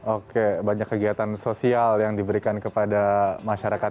oke banyak kegiatan sosial yang diberikan kepada masyarakat